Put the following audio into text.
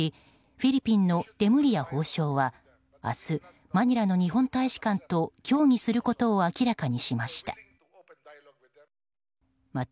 フィリピンのレムリヤ法相は明日、マニラの日本大使館と協議することを明らかにしました。